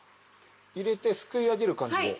入れてすくいあげる感じで。